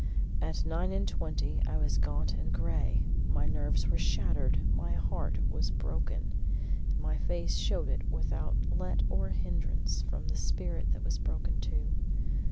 At nine and twenty I was gaunt and gray; my nerves were shattered, my heart was broken; and my face showed it without let or hindrance from the spirit that was broken too.